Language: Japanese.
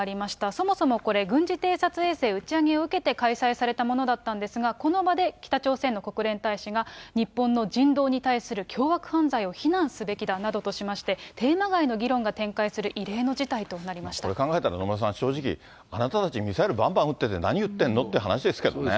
そもそもこれ、軍事偵察衛星打ち上げを受けて開催されたものだったんですが、この場で北朝鮮の国連大使が日本の人道に対する凶悪犯罪を非難すべきだなどとしまして、テーマ外の議論が展開する異例の事態となこれ、考えたら野村さん、正直、あなたたち、ミサイルばんばん撃ってて何言ってんの？っていう話ですけどね。